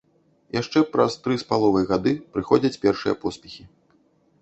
Яшчэ праз тры з паловай гады прыходзяць першыя поспехі.